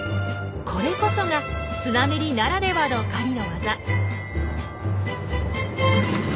これこそがスナメリならではの狩りの技。